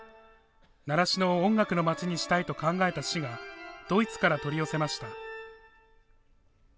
習志野を音楽のまちにしたいと考えた市がドイツから取り寄せました。